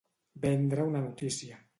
Vendre una notícia.